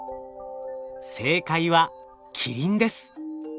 正解はキリンです。